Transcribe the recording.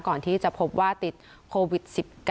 ก่อนที่จะพบว่าติดโควิด๑๙